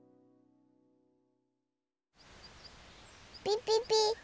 ピピピ。